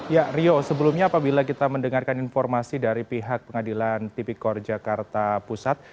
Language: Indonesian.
ya rio sebelumnya apabila kita mendengarkan informasi dari pihak pengadilan tipikor jakarta pusat